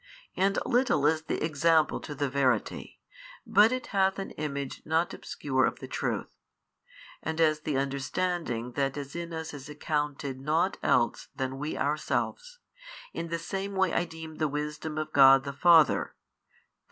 And little is the example to the verity, but it hath an image not obscure of the truth. And as the understanding that is in us is accounted nought else than we ourselves, in the same way I deem the Wisdom of God the Father, i.